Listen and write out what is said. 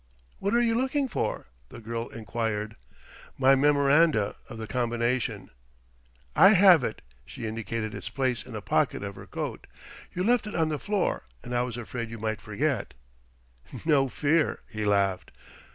"What are you looking for?" the girl enquired. "My memoranda of the combination " "I have it." She indicated its place in a pocket of her coat. "You left it on the floor, and I was afraid you might forget " "No fear!" he laughed.